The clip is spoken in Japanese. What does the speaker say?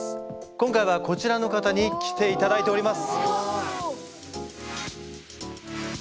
今回はこちらの方に来ていただいております。